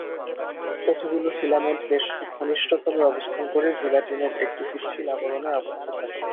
কতগুলো ফিলামেন্ট বেশ ঘনিষ্ঠভাবে অবস্থান করে জিলাটিনের একটি পিচ্ছিল আবরণে আবদ্ধ থাকে।